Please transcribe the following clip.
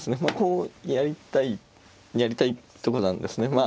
まあこうやりたいとこなんですね。